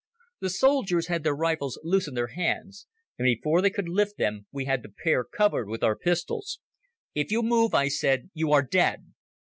The soldiers had their rifles loose in their hands, and before they could lift them we had the pair covered with our pistols. "If you move," I said, "you are dead."